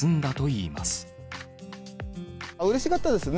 うれしかったですね。